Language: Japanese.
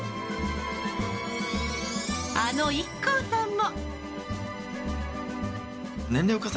あのＩＫＫＯさんも。